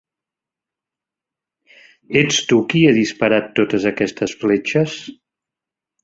Ets tu qui ha disparat totes aquestes fletxes?